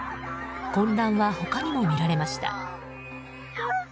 混乱は他にも見られました。